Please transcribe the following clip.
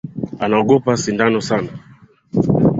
Anaogopa sindano sana